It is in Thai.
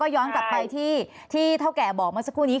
ย้อนกลับไปที่เท่าแก่บอกเมื่อสักครู่นี้